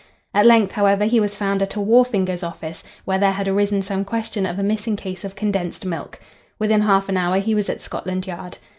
At length, however, he was found at a wharfinger's office, where there had arisen some question of a missing case of condensed milk. Within half an hour he was at Scotland Yard.